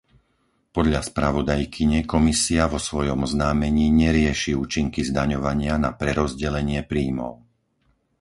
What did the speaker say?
Podľa spravodajkyne Komisia vo svojom oznámení nerieši účinky zdaňovania na prerozdelenie príjmov.